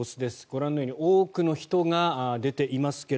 ご覧のように多くの人が出ていますが